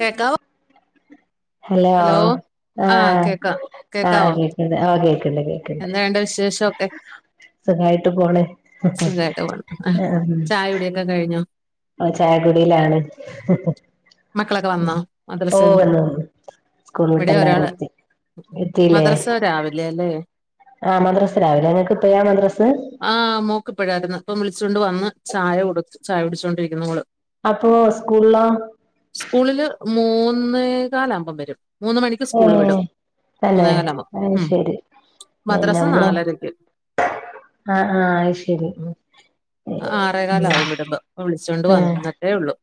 കേക്കാവോ ഹലോ ആഹ് ആഹ് കേക്ക്‌ണ്ട് ഓഹ് കേക്ക്‌ണ്ട് കേ എന്താ ഉണ്ട് വിശേഷൊക്കെ? സുഖായിട്ട് പോണ് സുഖായിട്ട് പോന്ന് ആഹ് ചായ കുടിയൊക്കെ കഴിഞ്ഞോ? ഓഹ് ചായക്കുടിയിലാണ്. മക്കളൊക്കെ വന്നോ ഓഹ് മദ്രസേന്ന് വന്ന് വന്ന് സ്കൂൾ വിട്ട് ഇവിടെ എല്ലാരു ഒരാള് എത്തി. എത്തില്ലേ മദ്രസ രാവിലെ ല്ലേ? ആഹ് മദ്രസ് രാവിലെ ഇങ്ങക്ക് ഇപ്പയാ മദ്രസ്? ആഹ് മോക്കിപ്പഴായ്രുന്നു. ഇപ്പൊ വിൾച്ചോണ്ട് വന്ന് ചായ കൊടു ചായട്ച്ചോണ്ടിരിക്കുന്നു മോള് അപ്പോ സ്കൂൾലോ? സ്കൂളില് മൂന്നേ കാലാവുമ്പം വരും. മൂന്ന് മണിക്ക് സ്കൂള് ഏഹ് വിടും തന്നെ മൂന്നേ കാലാവുമ്പം അത് ഉം ശരി ഏഹ് മദ്രസ നമ്മള് നാലരയ്ക്ക് ആഹ് ആഹ് അത് ശരി ഏഹ് ആറേകാല് ആവും വിടുമ്പോ ഇപ്പോ വിളിച്ചോണ്ട് വന്നിട്ടേള്ളു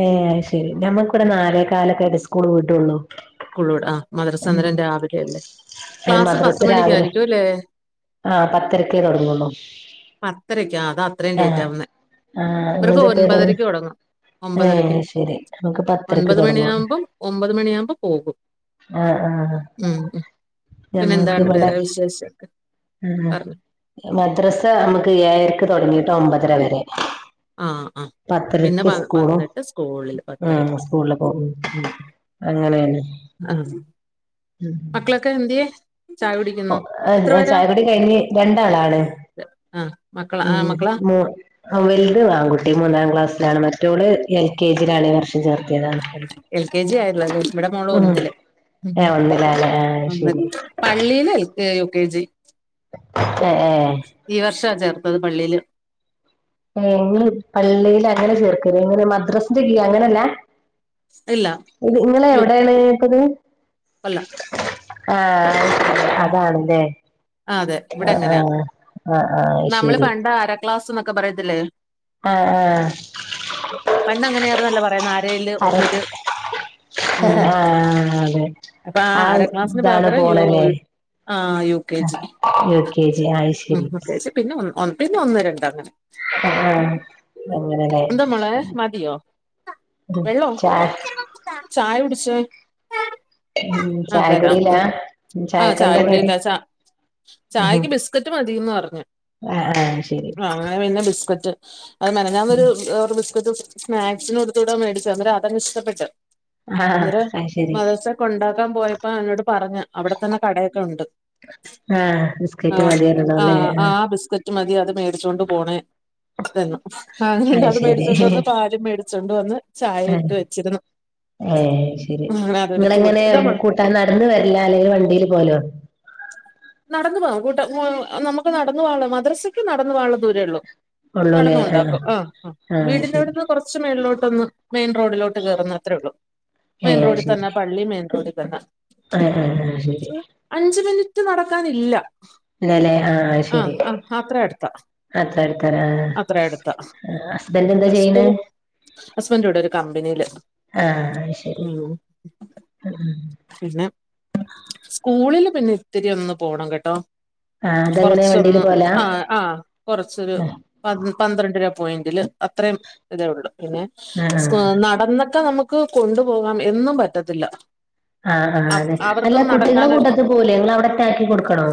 ഏഹ് അയ്ശെരി ഞമ്മക്ക്‌ ഇവടെ നാലേ കാലൊക്കെ ആയിട്ടെ സ്കൂള് വിടുള്ളു. [unintelligible] ആഹ് മദ്രസന്നേരം രാവിലെ ല്ലേ. ക്ലാസ് പത്ത്‌ മദ്രസ് രാവിലെ മണിക്കായിരിക്കും അല്ലേ. ആഹ് പത്തരക്കേ തൊടങ്ങൊള്ളൂ പത്തരക്ക് ആ അതാ അത്രയും ആഹ് ലേറ്റ് ആവുന്നെ ആഹ് ഇവർക്ക് നിങ്ങൾതെപ്പഴാ തൊടങ്ങ ഒൻപതരക്കൊടങ്ങും. ഒമ്പതരയ്ക്ക് ഏഹ് ശരി നമുക്ക് പത്തരക്ക് ഒൻപത് തൊടങ്ങും മണിയാമ്പം ഒമ്പത് മണിയാമ്പം പോകും ആഹ് ആഹ് ഉം ഉം പിന്നെ ഞമ്മക്ക് എന്താണ് ഇവിടെ വേറെ വിശേഷൊക്കെ ആഹ് പർഞ്ഞോ മദ്രസ അമ്മക്ക് ഏഴരക്ക് തൊട്ങ്ങിട്ട് ഒമ്പതര വരെ ആഹ് ആഹ് പിന്നെ പത്തരക്ക് വ സ്കൂളും വന്നിട്ട് സ്കൂളില് പത്തരക്ക് ഉം അങ്ങനേണ് ഉം ക്കന്ത്യേ ചായുടിക്ക്ന്ന് ആഹ് ചായക്കുടി കഴിഞ്ഞ് രണ്ടാളാണ് ആ മക്കള ആ ഉം മക്കളാ മൂ വൽത് ആൺകുട്ടി മൂന്നാം ക്ലാസ്സ്ലാണ്. മറ്റോള് എൽ കെ ജി ലാണ് ഇ വർഷം [unintelligible] ചേർത്തിയതാ എ എൽ കെ ജി ആയുള്ളു അല്ലെ ഇവിടെ മോള് ഉം ഒന്നില് ഏഹ് ഒന്നിലാണ് ആഹ് ഉം ശരി പള്ളീല് എൽ യു കെ ജി എഹ് ഏഹ് ഈ വർഷാ ചേർത്തത് പള്ളീല് ഏഹ് ഇങ്ങള് പള്ളീല് അങ്ങനെ ചേർക്കല് ഇങ്ങനെ മദ്രസിന്റെ കീയി അങ്ങനെല്ല ഇല്ല ഇത് ഇങ്ങള് യു എവിടെയാണ് പ്പത് അല്ല ആഹ് ഉം. അതാണ്ല്ലേ ആ അതെ ഇവിടെ ആഹ് ആഹ് അങ്ങനെ ആഹ് ആഹ് അയ് നമ്മള് ശരി പണ്ട് അര ക്ലാസ് ന്നൊക്കെ പറയത്തില്ലേ ആഹ് ആഹ് പണ്ടങ്ങനായാർന്നല്ലെ പറയുന്നെ അരേല് അര ഒന്നില് ഉം ഉം ആഹ് അതെ അപ്പൊ ആ ആര ക്ലാസ്സിന് ഇതാണ് പകരം [unintelligible] പോണല്ലേ ആഹ് U K G U K G അയ്ശരി യു കെ ജി പിന്നെ പിന്നെ ഒന്ന് രണ്ട് അങ്ങനെ. ആഹ് ആഹ് അങ്ങനെ അല്ലേ എന്താ മോളെ മതിയോ വെള്ളോ ചായ ചായ കുടിച്ചോ ഉം ചായ കുടിലാ ആഹ് ചായ കുടിയിലാ ചാ ഉം ചായക്ക് ബിസ്കറ്റ് മതീന്ന് പറഞ്ഞ് ആഹ് ആഹ് ശരി ആഹ് അങ്ങനെ പിന്നെ ബിസ്കറ്റ് അത് മെനഞ്ഞാന്ന് ഒരു കവറ് ബിസ്ക്കറ്റ് സ്‌നാക്‌സിന് കൊടുത്തുവിടാൻ മേടിച്ചതാ അന്നേരം അതങ്ങ് ഇഷ്ട്ടപ്പെട്ട്. ആഹ് അന്നേരം അയ്ശരി മദ്രസ്സെ കൊണ്ടാക്കാൻ പോയപ്പോ അവനോട് പറഞ്ഞ് അവിടെത്തന്നെ കടയൊക്കെ ഒണ്ട്. ആഹ് ബിസ്കറ്റ് ആഹ് മതിയാരുന്നു അല്ലേ ആഹ് ആ ബിസ്ക്കറ്റ് റ്റ് മതി അത് മേടിച്ചോണ്ട് പോണെ അത് എന്ന് അതുകൊണ്ട് അത് മേടിച്ചോണ്ട് വന്ന് പാല് മേടിച്ചോണ്ട് വന്ന് ചായ ഇട്ട് ഏഹ് വെച്ചിരുന്നു ഏഹ് അയ് ശരി അങ്ങനെ അതെടുത്ത് കൊടുത്ത് ഇങ്ങളെങ്ങനെയാ ഇതാ മോളെ കൊട് തന് നടന്നു വരലാ അല്ലെങ്കില് വണ്ടീല് പോവലോ. നടന്നു പോകാം കൂട്ടാ ഉം നമ്മക്ക് നടന്നു പോവാനുള്ള മദ്രസ്സയ്ക്ക് നടന്നു പോകാനുള്ള ദൂരേ ഉള്ളു. നടന്നുകൊണ്ടാക്കും ആഹ് ആഹ് വീടിന്റെ അവിടുന്ന് കൊറച്ച് മേളിലോട്ട് ഒന്ന് മെയിൻ റോഡിലോട്ട് കേറുന്നത്രേ ഉള്ളൂ. മെയിൻ ഏഹ് റോഡി തന്നാ പള്ളീം മെയിൻ റോഡി തന്നെ. ഏഹ് ഏഹ് അതു ശരി. അഞ്ച് മിനിറ്റ് നടക്കാനില്ല ഇല്ലല്ലേ ആഹ് അത് ശരി ആഹ് ആഹ് അത്രേം അടുത്താ അത്ര അടുത്താല്ലേ ആഹ് അത്ര അടുത്താ ആഹ് ഹസ്ബൻഡ് എന്താ ചെയ്യണെ ഹസ്ബൻ്റ് ഇവിടെ ഒരു കമ്പനിയില് ആഹ് അത് ശരി ഉം പിന്നെ സ്കൂളില് പിന്നെ ഇത്തിരി ഒന്ന് പോണം കേട്ടോ. ആഹ് അതെങ്ങനെ വണ്ടിയില് കൊറച്ചൊന്ന് പോവലാ ആഹ് ആഹ് കൊറച്ചൊരു ആഹ് പൻ പന്ത്രണ്ട് രൂപ പോയിന്റില് അത്രേം ഇതേ ഉള്ളു പിന്നെ [unintelligible] ഉം നടന്നൊക്കെ നമ്മക്ക് കൊണ്ടുപോകാം എന്നും പറ്റത്തില്ല. ആഹ് ആഹ് ലെ അല്ല അവർക്കും കുട്ടികളെ നടക്കാനൊരു കൂട്ടത്ത് പോകൂലെ നിങ്ങള് അവിടയ്ക്ക് ആക്കി കൊടുക്കണോ?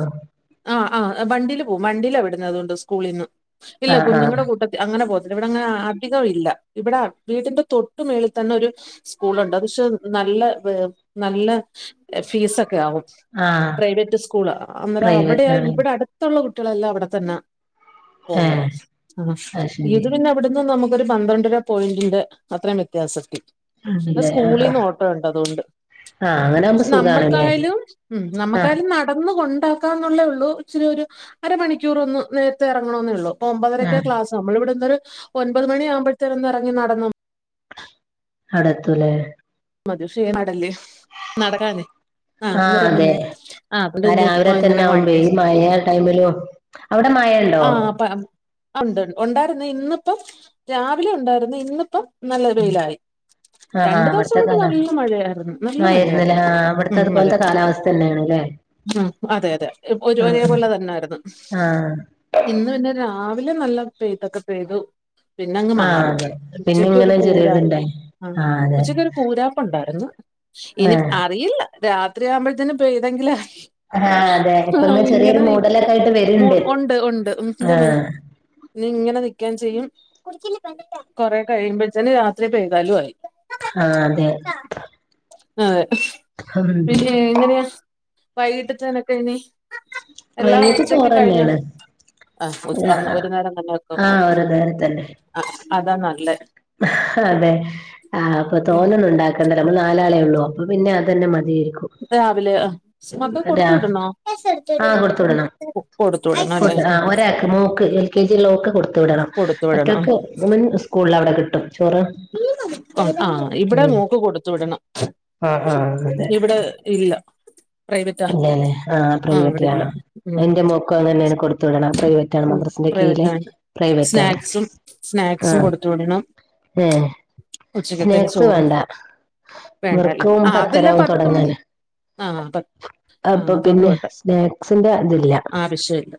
ആഹ് ആഹ് വണ്ടീല് പോവും വണ്ടീലാ വിടുന്നെ അതുകൊണ്ട് സ്കൂളീന്ന് ഇല്ല ആഹ് ആഹ് കുഞ്ഞുങ്ങടെ കൂട്ട അങ്ങനെ പോകത്തില്ല ഇവിടെ അങ്ങനെ അധികം ഇല്ല ഇവടെ വീടിന്റെ തൊട്ട് മേളി തന്നെ ഒരു സ്കൂളുണ്ട് അത് പക്ഷെ നല്ല വെ നല്ല [unintelligible] ഫീസൊക്കെ ആവും ആഹ് പ്രൈവറ്റ് സ്കൂളാ അന്നേരം പ്രൈവറ്റ് അവിടെയാ ആണ് ഇവിടെ അടുത്ത് ത്തൊള്ള കുട്ടികളെല്ലാം അവിടെ തന്നാ ഏഹ് പോകുന്നത് ആഹ് അത് ശരി ഇത് പിന്നെ അവിടുന്ന് നമുക്ക് ഒരു പന്ത്രണ്ടര പോയിന്റിന്റെ അത്രയും വ്യത്യാസത്തി പിന്നെ ആണല്ലേ ആഹ് സ്കൂളീന്ന് ആഹ് ഓട്ടോ ഒണ്ട് അതുകൊണ്ട്. ആഹ് അങ്ങനാവുമ്പേ പക്ഷെ നമ്മക്കായാലും ഉം നമ്മക്കായാലും നടന്ന് കൊണ്ടാക്ക് [unintelligible] ഒള്ളൂ ഇച്ചിരി ഒരു അരമണിക്കൂർ ഒന്ന് നേരത്തെ എറങ്ങണോന്നെയുള്ളൂ ഇപ്പ ഒമ്പതരയ്ക്കാ ആഹ് ക്ലാസ് നമ്മള് ഇവിടെന്നൊരു ഒൻപത് മണിയാകുമ്പോഴത്തേനും ഒന്ന് എറങ്ങി നടന്നാ അവിടെത്തൂലേ മതി ഷെയ്‌മ് കേടല്ലേ നടക്കാനേ ആ ആഹ് അന്നേരം അതെ പിന്നെ ആ അതുകൊണ്ട് ആഹ് പിന്നെ ഇപ്പൊ രാവിലെ തന്നെ ഇങ്ങനെ ആവുമ്പേ വണ്ടി ഈ മഴ ടൈമിലും അവിടെ മയ ഇണ്ടോ? ഒണ്ട് ഒണ്ടായിരുന്നു ഇന്നിപ്പം രാവിലെ ഒണ്ടായിരുന്നു ഇന്നിപ്പം നല്ല വെയിലായി ആഹ് ആഹ് രണ്ട് ദിവസം അവിടുത്തെ ഇങ്ങോട്ട് കാലാ നല്ല മഴയായിരുന്നു നല്ല മഴായിരുന്നല്ലേ മഴയായിരുന്നു ആഹ് അവിടുത്തെ ഉം അതെ അതുപോലത്തെ കാലാവസ്ഥ തന്നെയാണല്ലേ ഉം അതെ അതെ ഇപ് ഒരെ ആഹ് ഒരേപോലെ തന്നായിരുന്നു. ആഹ് ഇന്ന് പിന്നെ രാവിലെ നല്ല പെയ്ത്തൊക്കെ പെയ്തു. പിന്നങ്ങ് ആഹ് മാറി. അതെ പിന്നെ ഉച്ചക്കൊരു ഇങ്ങനെ കൂരാ ചെറിയൊരിതുണ്ടായി ആഹ് ഉച്ചക്കൊരു കൂരാപ്പുണ്ടായിരുന്നു. ഇനി ആഹ് അറിയില്ല. രാത്രിയാവുമ്പോഴത്തേനും പെയ്തങ്ങിലായി. ആഹ് അതെ ഇപ്പൊ ആഹ് ചെറിയൊരു ഇങ്ങനെ നീ മൂടലൊക്കെ ആയിട്ട് മോ വരുണ്ട് ഉണ്ട് ഉണ്ട് ഉം എന്തോ മോനെ ആഹ് നി ങ്ങനെ നിക്കേം ചെയ്യും കൊറേ കഴിയുമ്പത്തേന് രാത്രി പെയ്താലും ആയി ആഹ് അതെ അതെ ഹം ഏ എങ്ങനെയാ വൈകീട്ടത്തേനൊക്കെ ഇനി എല്ലാം വൈകിട്ട് ഉച്ചക്ക്‌ കഴിഞ്ഞോ? ചോറന്നെയാണ് ആഹ് ഒ ഒന്ന് ആഹ് ഒരു നേരം തന്നെ വെക്കും ആഹ് ഒരു നേരത്തന്നെ ആഹ് അതാ നല്ലേ അതെ ആഹ് അപ്പൊ തോനൊന്നുണ്ടാ ക്കണ്ട നമ്മള് നാലാളെ ഉള്ളൂ അപ്പൊ പിന്നെ അതന്നെ മതിയാരിക്കും രാവിലെയൊ മക്കക്ക്‌ കൊടുത്തു വിടണോ? ആഹ് കൊടുത്തു വിടണം കൊടുത്തു വിടണം അല്ലേ ഫുഡ് ആ ഉം ഒരാക്ക് മോക്ക്. കെ ജി ള്ളോക്ക്‌ കൊട്ത്ത് വിടണം കൊടുത്തു വിടണം മറ്റോക്ക്‌ ഇവൻ സ്കൂള്ളവിടെ കിട്ടും ചോറ് ആ ഇവിടെ ഉം മോക്ക് കൊടുത്തു വിടണം ആഹ് ആഹ് അതെ ഇവിടെ ഇല്ല പ്രൈവറ്റാ അല്ലലേ ആ ആഹ് പ്രൈറ്റ് ഇവിടെ ആ ഇല്ല ഉം അതിന്റെ മോക്കും അങ്ങനെന്നേണ് കൊടുത്തു വിടണം പ്രൈവറ്റ് റ്റാണ് ഉം മദ്രസിന്റെ കീഴിലെ പ്രൈവറ്റാണ് പ്രൈവറ്റ് ആണ് സ്നാക്സും ആ സ്നാക്സും കൊടുത്തു വിടണം ഏ ഉച്ചക്കത്തേന് സ്നാക്സ് ചോറും വേണ്ട വേണ്ട അല്ലേ വർക്കും ആഹ് അതല്ലേ പത്തരാവും പത്തും തുടങ്ങാൻ ആഹ് പത് ആഹ് അതുകൊണ്ട് പിന്നെ പോട്ടെ സ്നാക്സിന്റെ ഇതില്ല ആവശ്യല്ല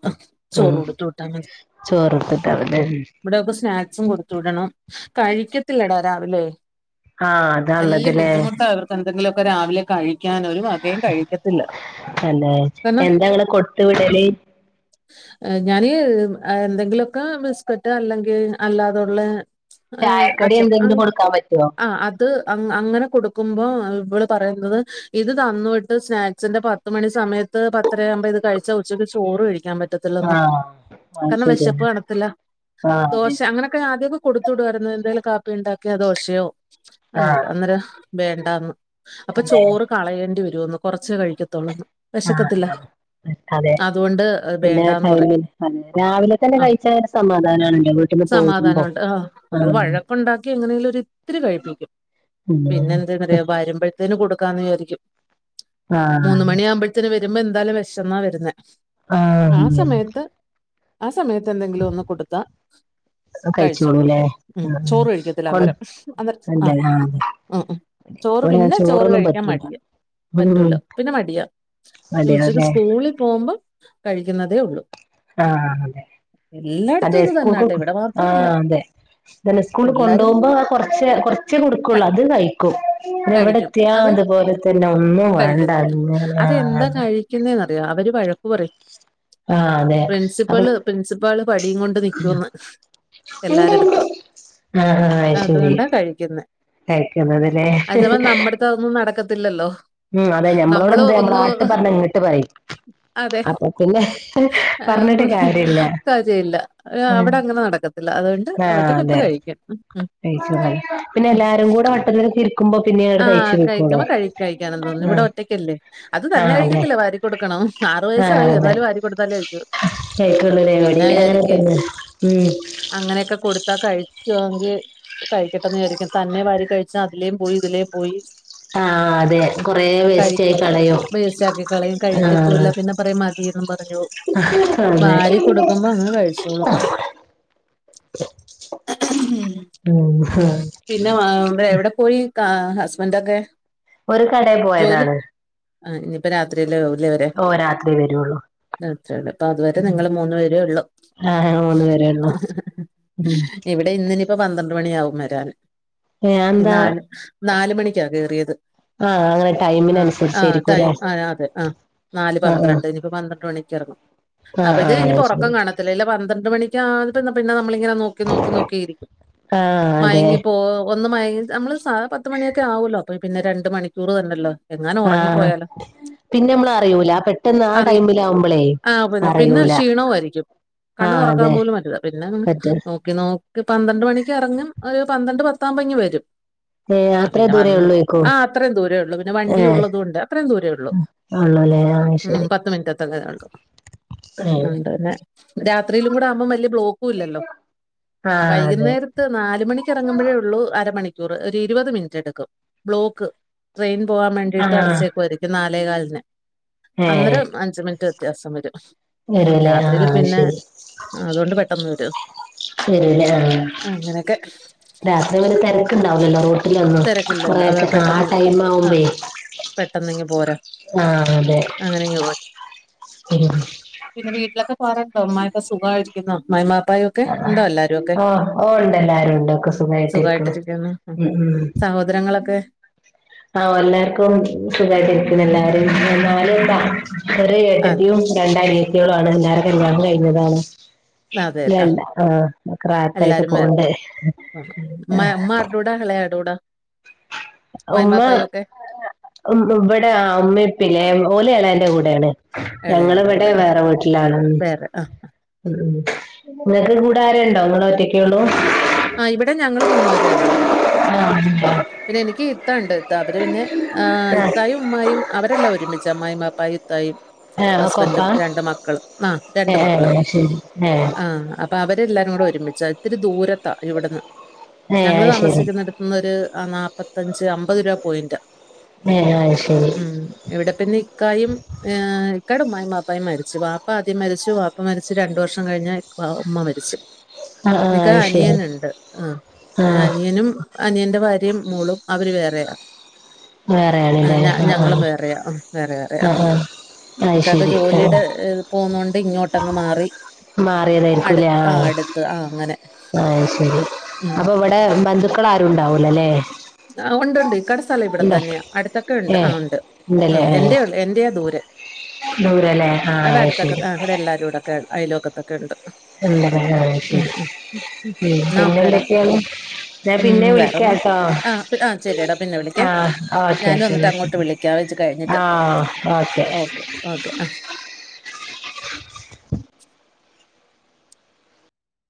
ചോറ് കൊടുത്തു വിട്ടാ മതി ചോറൊട്ത്തിട്ടാമത് ഉം തെൻ ഇവിടെയൊക്കെ സ്നാക്സും കൊടുത്തു വിടണം കഴിക്കത്തില്ലടാ രാവിലെ ആഹ് വല്യ അതാള്ളതില്ലേ ബുദ്ധിമുട്ടാ അവർക്കെന്തെങ്കിലൊക്കെ രാവിലെ കഴിക്കനൊരു അതികം കഴിക്കത്തില്ല അല്ലെ എന്തെന്ന് എന്താ ഇങ്ങള് കൊടുത്ത് വിടല് ഞാന് എന്തെങ്കിലൊക്കെ ബിസ്ക്കറ്റ് അല്ലെങ്കിൽ അല്ലാതുള്ള ഏ ചായക്കടി അഛ എന്തെങ്കിലും കൊടുക്കാൻ [unintelligible] പറ്റുവോ ആ അത് ത് അങ്ങനെ കൊടുക്കുമ്പോ ഇവള് പറയുന്നത് ഇത് തന്നു വിട്ട് സ്നാക്സിന്റെ പ പത്ത് മണി സമയത്ത് പത്തരയാകുമ്പോ ഇത് കഴിച്ച ഉച്ചയ്ക്ക് ചോറ് കഴിക്കാൻ പ റ്റത്തില്ലന്ന് ആഹ് അത് കാരണം വെശപ്പ് ശരിയാണ് കാണത്തില്ല ആഹ് അതെ ദോശ അങ്ങനൊക്കെ ആദ്യൊക്കെ കൊടു ചുടുവാര്ന്ന് എന്തേലും കാപ്പി ഉണ്ടാക്കയൊ ദോശയോ അങ്ങനെ ആഹ് അന്നേരം വേണ്ടാന്ന് അപ്പ അതെ ചോറ് കളയേണ്ടി വരുവെന്ന് കൊറച്ചേ കഴിക്കത്തൊള്ളെന്ന് വെഷക്കത്തില്ല ആഹ് അതെ പിന്നെ ആ പറയും ടൈമില് രാവിലെ തന്നെ കഴിച്ച ഒരു സമാധാനണല്ലോ സമാധാനുണ്ട് ആ അത് വഴക്കുണ്ടാക്കി എങ്ങനെങ്കിലും ഒരിത്തിരി കഴിപ്പിക്കും. പിന്നെ പിന്നെന്ത് ന്നറിയോ വരുമ്പഴത്തേന് കൊടുക്കാന്ന് വിചാരിക്കും ആഹ് മൂന്ന് അതെ മണിയാവുമ്പ ത്തിന് വരുമ്പോ എന്തായാലും വെശെന്നാ വരുന്നെ ആ ആഹ് അതെ സമയത്ത് ആ സമയത്ത് എന്തെങ്കിലും ഒന്ന് കൊടുത്താ കഴിച്ചോളും കഴിച്ചോളൂല്ലേ ആഹ് ചോറ് കഴിക്കത്തില്ല കൊ അന്നേരം അന്നേരം ആ അല്ല ആഹ് അതെ ഉം ഉം ചോറ് ഇവിടെ പിന്നെ ചോറ് ചോറൊന്നും കഴിക്കാൻ പറ്റൂല മടി ഉം പറ്റൂല പിന്നെ മടിയ ഉച്ചക്ക് അതെയല്ലേ സ്കൂ സ്കൂളിൽ പോകുമ്പം കഴിക്കുന്നതേ ഉള്ളൂ ആഹ് അതെ എല്ലായിടത്തും അതെ ഇത് സ്കൂൾക്ക് തന്നാട്ടെ ഇവിടെ മാത്രമല്ല ആഹ് അതെ അന്നെ സ്കൂളിൽ എല്ലാരും കൊണ്ടോകുമ്പോ കൊർച്ചെ കൊർച്ചേ കൊടുക്കുള്ളൂ ക- അത് കഴിക്കും പിന്നെവിടെ കഴിക്കും ത്യാ അത് അതുപോലെ തന്നെ ഒന്നും വേണ്ട ആ പിന്നേറിയോ അവര് വഴക്കു പറയും ആഹ് അതെ അപ്പൊ പ്രിൻസിപ്പള് പ്രിൻസിപ്പാള് വടിയും കൊണ്ട് നിക്കുന്ന് എല്ലാരടുത്തും ആഹ് ആയ് ശരി കഴിക്കുന്നത് കഴിക്കുന്നതില്ലേ തൊന്നും നടക്കത്തില്ലല്ലോ ഉം അതെന്നെ ഞമ്മളോട് നമ്മള് എന്താ ന ഒന്ന് ആട്ട് പറഞ്ഞ ഇങ്ങട്ട് പറയും അതെ അപ്പൊ പിന്നെ പറഞ്ഞിട്ട് കാര്യല്ല [unintelligible] ആഹ് അവിടെ അങ്ങനെ നടക്കുന്നു ലാ. അതുകൊണ്ട് അവട്ട് [unintelligible] അതെ കഴിക്കും. ഉം ഉം. പ [unintelligible] ആഹ് കഴിക്കണ കഴ കഴിക്കാന തോന്നുന്നു. ഇവിടെ ഒറ്റക്കല്ലേ. അത് തന്നെ ആഹ് അതെ കഴിക്കത്തില്ല വാരി, കൊടുക്കണം. ആറു ആഹ് വയസായി അതെ എന്നാലും വാരി കൊടുത്താലേ കയിക്കൂ കഴിക്കുള്ളൂല്ലേ ഇവിടെ പിന്നെ അങ്ങനെ വിചാരിക്കേ, തന്നെ ഉം അങ്ങനെയൊക്കെ കൊടുത്താ കഴിക്കൊങ്കിൽ കഴിക്കട്ടെന്ന് വിചാരിക്കും. തന്നെ വാരി കഴിച്ചാ അതിലേം പോയി, ഇതിലേ പോയി, ആഹ് അതെ കൊറേ വേസ്റ്റ് ആയി കഴിക്കും. കളയും വേസ്റ്റാക്കി കളയും, ആഹ് കഴിക്കത്തൂല്ല. പിന്നെ പറയാ മതി ന്ന് പറഞ്ഞു പോവും. അതെ വാരി കൊടുക്കുമ്പോ അങ്ങ് കഴിച്ചോളും. [unintelligible] [unintelligible] പിന്നെ വ എവിടെ പോയി ക ഹസ്ബൻഡൊക്കെ? ഓര് കടേൽ പോയതാണ്. ആ ഇഞ്ഞിപ്പോ രാത്രിയല്ലേ [unintelligible] വരെ. ഓ രാത്രി വരുള്ളൂ രാത്രിയാണ്. അപ്പ അതുവരെ നിങ്ങള് മൂന്നു പേരേ ഉള്ളു. ആഹ മൂന്ന് പേരെ ഉള്ളൂ. ഉം. ഇന്നിനി പ്പ പന്ത്രണ്ട് മണിയാവും വരാൻ. എന്താ നാല് നാല് മണിക്കാ കേറിയത്. ആഹ് അങ്ങനെ ആഹ് ആഹ് ടൈമിനനുസരിച്ചായിരിക്കും അല്ലെ ടൈം ആഹ് അതെ അ. നാല് ആഹ് പന്ത്രണ്ടിന്. ഒരു പന്ത്രണ്ട് മണിക്ക് ഇറങ്ങും. ആഹ് ആഹ് അപ്പോഴത്തേന് ആഹ് ശരി ഇനിപ്പൊറക്കം കാണ ത്തില്ല. പന്ത്രണ്ട് മണിക്കാ പിന്നെ നമ്മളിങ്ങനെ നോക്കി നോക്കി നോക്കിയിരിക്കും. ആഹ് അതെ മയങ്ങി പോ ഒന്ന് മയങ്ങി. നമ്മള് സാധാ പത്ത് മണിയൊക്കെ ആവോല്ലോ. അപ്പൊ പിന്നെ രണ്ട്‌ മണിക്കൂറ് തന്നെല്ലോ. എങ്ങാനും ആഹ് ഉറങ്ങിപ്പോയാലോ. പിന്നെ നമ്മൾ അറിയൂല ഉം പെട്ടെന്ന് ആ അറി ടൈമിലാവുമ്പളേ ആഹ് പിന്ന. പിന്നെ അറിയൂല ക്ഷീണവും ആയിരിക്കും. കണ്ണു ആഹ് തുറക്കാൻ അതെ പോലും പറ്റില്ല. പിന്നെ അങ്ങ് പറ്റ നോ നോക്കി പന്ത്രണ്ട് മണിക്ക് ഇറങ്ങ്യ, ഒരു പന്ത്രണ്ട് പത്താവുമ്പ ഇങ്ങ് വരും. ഏ ആ അത്രേ പിന്നെ ദൂരേ വന്ന് ഉള്ളൂക്കോ ആഹ് അത്രയും ദൂരേ ഉള്ളു. പിന്നെ വണ്ടി ഏ ഉള്ളതോണ്ട് അത്രേയും ദൂരേ ഉള്ളു. ഉള്ളൂല്ലേ ആ ഉം ശരി പത്ത് മിനിറ്റ് ത്ത ക എടുക്കും. ഏഹ് അതോണ്ടന്നെ. രാത്രിയിലും കൂടെ ആവുമ്പോം വലിയ ബ്ലോക്കും ഇല്ലല്ലോ. ആഹ് അതെ. ത്ത് നാലുമണി ഇറങ്ങുമ്പഴേ ഉള്ളൂ അരമണിക്കൂറ്, ഒരു ഇരുപത് മിനിറ്റ് എടുക്കും ബ്ലോക്ക്. ട്രെയിൻ പോവാൻ വേണ്ടിട്ട് ആഹ് അടച്ചു വെക്കുമായിരിക്കും, നാലേ കാലിന്. ഏഹ് അന്നേരം അഞ്ച് മിനിറ്റ് വ്യത്യാസം വരും. വരൂല്ലേ രാത്രിയില് ആഹ് പിന്നെ ശരി അതുകൊണ്ട് പെട്ടെന്ന് വരും. ശരില്ലേ. ആഹ് അങ്ങനെയൊക്കെ രാത്രി കളിൽ തെരക്ക് ഇണ്ടാവുലല്ലോ റോഡി ലൊന്നും. തിരക്കില്ലല്ലോ കൊറൊക്കെ ആ ടൈം ആവുമ്പേ, പെട്ടെന്ന ഇങ്ങ്പോരാ. ആഹ് അതെ അങ്ങനെ [unintelligible] [unintelligible] പിന്നെ വീട്ടിലൊക്കെ പോറാണ്ടോ? ഉമ്മാക്കെ സുഖമായിരിക്കുന്നോ? ഇമ്മായും വാപ്പായും ഒക്കെ, ആഹ് ഉണ്ടോ എല്ലാരും ഒക്കെ? ഓ ഓ ഇണ്ട്, എല്ലാരും ഇണ്ട്. ഒക്കെ സുഖമായിട്ടിരിക്കണ്. ഉം ഉം. സഹോദരങ്ങളൊക്കെ? ആഹ എല്ലാർക്കും സുഖായിട്ടിരിക്ണ്. എല്ലാരും എന്നാല [unintelligible] ഒരു ആ ഏട്ടത്തിയും രണ്ട്‌ അനിയത്തികളു ആണ്. എല്ലാരെ ക്കല്യാണം കഴിഞ്ഞതാണ്. അതെ ആ ഇല്ലല്ല. ആഹ് റാഹത്തായിട്ട് എല്ലാരും വേ- പോണ്ട്‌. ഉം. ഉമ്മ ആഹ് [unintelligible] ഉമ്മായി ഉമ്മ മാപ്പായും ഒക്കെ ഏഹ്, ഉം ഉം ഇവിടെ ഇമ്മ ഇപ്പില. ഓല് എളെന്റെ കൂടെ ആണ്. ഞങ്ങള് ഇളയാടെ ഇവടെ കൂടെ വേറെ വീട്ടിലാണ്. [unintelligible] ആ ഉം ഉം നിങ്ങക്ക് കൂടെ ആരേ ഇണ്ടോ? നിങ്ങള ഒറ്റക്കെ ഉള്ളൂ? ആഹ് ഇവിടെ ഞങ്ങള് മൂന്ന് പേരെ ഉള്ളു. ആഹ് ഉണ്ടോ പിന്നെ എനിക്ക്, ഇത്തണ്ട് ഇത്ത അവര് പിന്നെ ആഹ് ഇത്തായും ഉമ്മായും അവരെല്ലാം ഒരുമിച്ച് ഉമ്മായും ബാപ്പായും ഇത്തായും ആഹ് ഒക്കെ ഹസ്ബൻറും ഒപ്പാ രണ്ട് മക്കളും ആഹ് രണ്ട് ഏഹ് മക്കള് ഏഹ് ആഹ് അപ്പ അവരെല്ലാരും കൂടെ ഒരുമിച്ചാ ഇത്തിരി ദൂരത്താ ഇവിടുന്ന് ഞങ്ങള് അത് ശരി താമസിക്കുട്ത് ഒന്നൊരു നാപ്പത്തഞ്ച് അമ്പത് രൂപ പോയിന്റ ഏഹ് ആഹ് ശരി ഉം ഇവിടെപ്പിന്നെ ഇക്കായിം ഇഹ്‌ ഇക്കാടെ ഉമമായും വാപ്പായും മരിച്ചു പാപ്പ ആദ്യം മരിച്ചു വാപ്പ മരിച്ചു രണ്ടു വർഷം കഴിഞ് പാവം ഉമ്മ മരിച്ചു ആഹ് നിക്ക ആഹ് ശെരി അനിയനുണ്ട് ആഹ് അനിയനും അനിയന്റെ ഭാര്യയും മോളും അവര് വേറെയാ വേറെയാണല്ലേ ആഹ് ഞ ആ ആ ഞങ്ങളും വേറെയാ ഉം വേറെ വേറെയാ ആ ആ അത് ഇക്കാക്ക് ശരി ആ ജോലിടെ പോന്നൊണ്ട് ഇങ്ങോട്ടങ് മാറി മാറിയതായിരിക്കൂല്ലേ അടുത്ത് ആഹ് അടുത്ത് ആഹ് അങ്ങനെ ആഹ് ശരി ഉം അപ്പൊ ഇവിടെ ബന്ധുക്കൾ ആരുണ്ടാവൂലല്ലേ ആഹ് ഉണ്ട് ൻണ്ട് ഇക്കാടെ സ്ഥലം ഇവിടെത്തന്നെയാ അടുത്തൊക്കെ ൻണ്ട് ഏ ആഹ് ഉണ്ട് ഉണ്ടല്ലേ ആഹ് ആ എന്റെ [unintelligible] എന്റെയാ ദൂരെ ദൂരല്ലേ ആ ഇവ്ടെ അത് അടുത്തൊക്കെ ശരി ആഹ് ഇവ്ടെ എല്ലാരൊക്കെ അയലോകത്തൊക്കെൻണ്ട് [unintelligible] ശരി ഉം എന്നാ പിന്നെ ഓക്കേടാ എന്തൊക്കെയാണ് ഞാൻ ഉം പിന്നെ വേറൊന്നും വിളിക്കാട്ടോ ആ പി- ആ ശരിയെടാ പിന്നെ വിളിക്കേ ഓക്കെ ഞാനും ഓക്കെ ന്നാ എന്നിട്ട് അങ്ങോട്ട് ശരി വിളിക്കാം ആഹ് ഓക്കെ ക്കെ ഓക്കെ ആഹ്